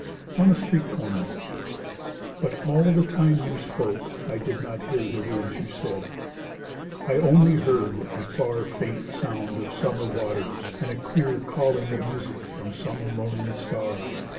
ON A STREET CORNER But all the time you spoke I did not hear The words you said. I only heard a far Faint sound of summer waters and a clear Calling of music from some lonely star.